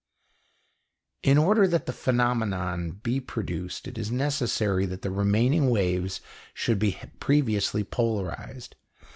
In order that the phenomenon be produced it is necessary that the remaining waves should be previously polarized.